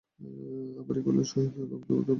আবার ঈশ্বরের সহিত একত্ববোধ হইলেই ভয় দূর হইবে।